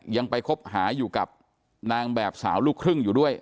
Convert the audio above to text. ยังไปคบหาอยู่กับนางแบบสาวลูกครึ่งอยู่ด้วย